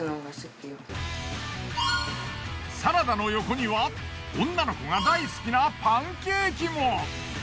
サラダの横には女の子が大好きなパンケーキも。